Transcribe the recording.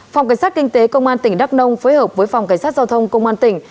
phòng cảnh sát kinh tế công an tỉnh đắk nông phối hợp với phòng cảnh sát giao thông công an tỉnh